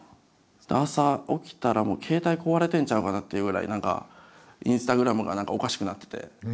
朝起きたらもう携帯壊れてんちゃうかなっていうぐらい何かインスタグラムが何かおかしくなってて。